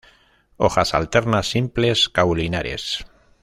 Hojas alternas, simples, caulinares.